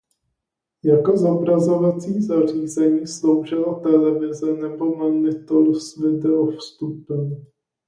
Jako zobrazovací zařízení sloužila televize nebo monitor s video vstupem.